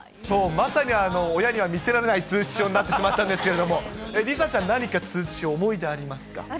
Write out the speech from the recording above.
そう、まさに親には見せられない通知表になってしまったんですけれども、梨紗ちゃん、何か通知表、思い出ありますか。